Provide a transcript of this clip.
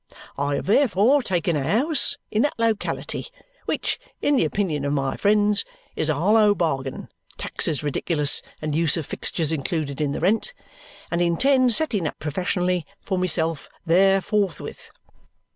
I have therefore taken a 'ouse in that locality, which, in the opinion of my friends, is a hollow bargain (taxes ridiculous, and use of fixtures included in the rent), and intend setting up professionally for myself there forthwith."